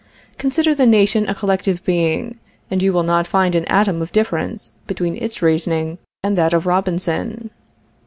Consider the nation a collective being, and you will not find an atom of difference between its reasoning and that of Robinson.